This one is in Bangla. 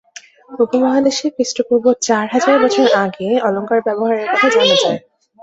উপমহাদেশে খ্রিস্টপূর্ব চার হাজার বছর আগে অলঙ্কার ব্যবহারের কথা জানা যায়।